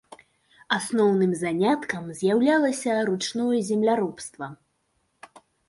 Асноўным заняткам з'яўлялася ручное земляробства.